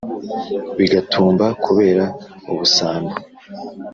Bigatumba kubera ubusambo